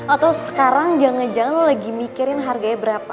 atau sekarang jangan jangan lagi mikirin harganya berapa